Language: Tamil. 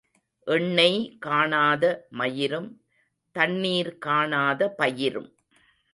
எண்ணெய் காணாத மயிரும் தண்ணீர் காணாத பயிரும்.